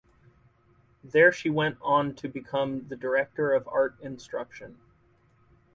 There she went on to become the director of art instruction.